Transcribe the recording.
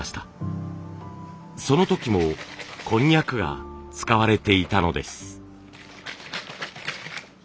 その時もこんにゃくが使われていたのです。